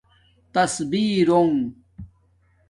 تصبیرݸنݣ